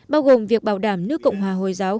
bao gồm việc bảo đảm nước cộng hòa hồi giáo